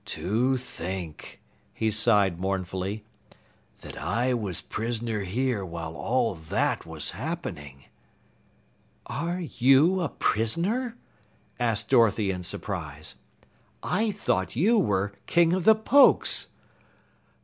"To think," he sighed mournfully, "that I was prisoner here while all that was happening!" "Are you a prisoner?" asked Dorothy in surprise. "I thought you were King of the Pokes!"